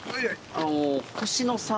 あの星野さんは？